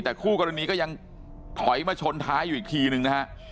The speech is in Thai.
แต่คู่กรณีก็ยังถอยมาชนท้ายอยู่อีกทีนึงนะฮะ